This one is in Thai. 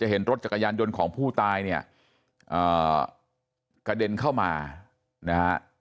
เห็นรถจักรยานยนต์ของผู้ตายเนี่ยกระเด็นเข้ามานะฮะ